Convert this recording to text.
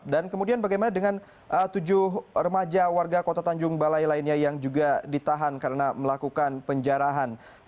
dan kemudian bagaimana dengan tujuh remaja warga kota tanjung balai lainnya yang juga ditahan karena melakukan penjarahan